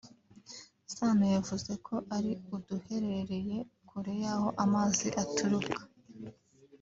Sano yavuze ko ari uduherereye kure y’aho amazi aturuka